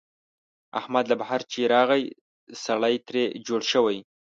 احمد له بهر چې راغی، سړی ترې جوړ شوی.